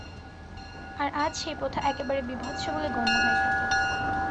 আর আজ সেই প্রথা একেবারে বীভৎস বলে গণ্য হয়ে থাকে।